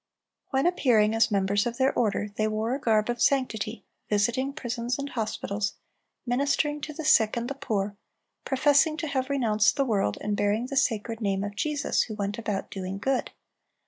When appearing as members of their order, they wore a garb of sanctity, visiting prisons and hospitals, ministering to the sick and the poor, professing to have renounced the world, and bearing the sacred name of Jesus, who went about doing good.